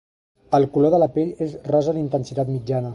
El color de la pell és rosa d'intensitat mitjana.